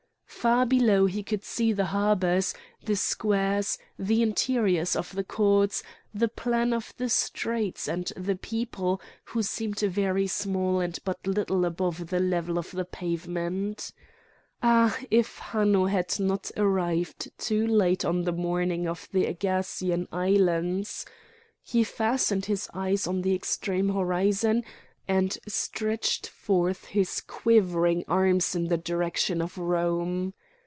Far below he could see the harbours, the squares, the interiors of the courts, the plan of the streets, and the people, who seemed very small and but little above the level of the pavement. Ah! if Hanno had not arrived too late on the morning of the Ægatian islands! He fastened his eyes on the extreme horizon and stretched forth his quivering arms in the direction of Rome.